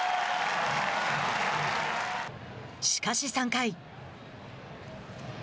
しかし、３回。